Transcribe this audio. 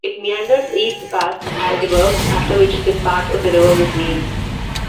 It meanders east past Aldeburgh, after which this part of the river was named.